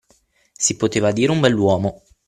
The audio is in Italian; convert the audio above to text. Si poteva dire un bell’uomo.